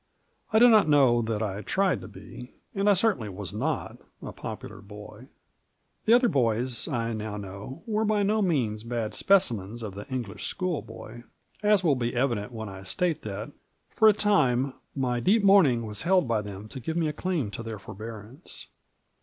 I do not know that I tried to be — and I certainly was not — ^a popukr boy. The other boys, I now know, were by no means bad specimens of the English schoolboy, as will be evident when I state that, for a time, my deep mourning was held by them to give me a claim to their forbearance.